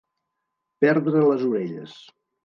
Perdre les orelles.